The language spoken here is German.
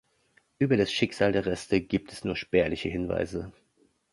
Über das Schicksal der Reste gibt es nur spärliche Hinweise.